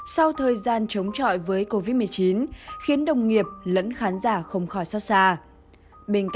sau thời gian chống trọi